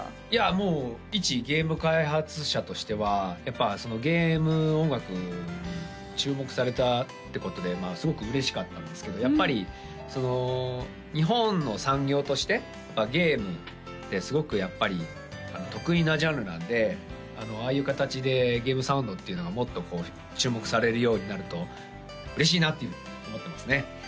いやもういちゲーム開発者としてはやっぱゲーム音楽に注目されたってことですごく嬉しかったんですけどやっぱりその日本の産業としてゲームってすごくやっぱり得意なジャンルなんでああいう形でゲームサウンドっていうのがもっと注目されるようになると嬉しいなっていうふうに思ってますね